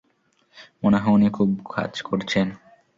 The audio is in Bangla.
মনে হয় উনি খুব কাজ করছেন।